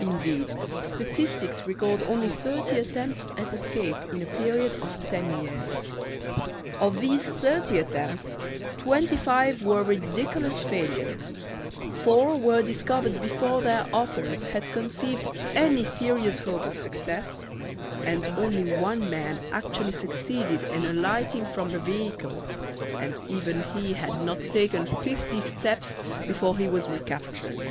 Indeed, statistics record only thirty attempts at escape in a period of ten years. Of these thirty attempts, twenty five were ridiculous failures; four were discovered before their authors had conceived any serious hope of success: and only one man actually succeeded in alighting from the vehicle, and even he had not taken fifty steps before he was recaptured.